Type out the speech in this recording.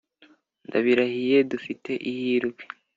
ndabirahiriye dufite ihirwe